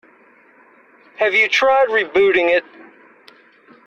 Have you tried rebooting it?